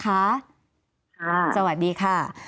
ค่ะสวัสดีค่ะ